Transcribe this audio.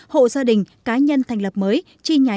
hộ gia đình cá nhân thành lập mới